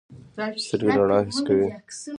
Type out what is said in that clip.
سترګې رڼا حس کوي.